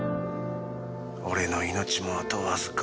俺の命もあとわずか。